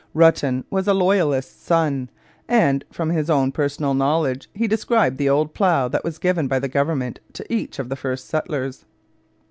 Ruttan was a loyalist's son, and, from his own personal knowledge, he described the old plough that was given by the government to each of the first settlers.